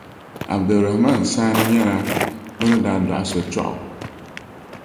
Abdul Rahaman Saani nyɛla bɛ ni daa dɔɣi so Choggu